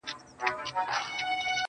سیاه پوسي ده خاوند یې ورک دی